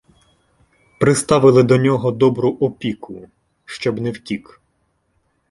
Приставили до нього добру "опіку", щоб не втік.